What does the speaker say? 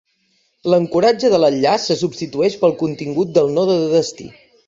L'ancoratge de l'enllaç se substitueix pel contingut del node de destí.